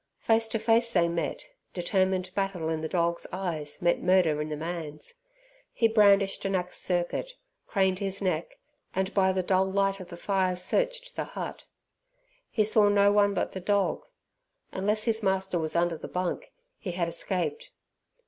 Face to face they met determined battle in the dog's eyes met murder in the man's. He brandished an axe circuit, craned his neck, and by the dull light of the fire searched the hut. He saw no one but the dog. Unless his master was under the bunk, he had escaped.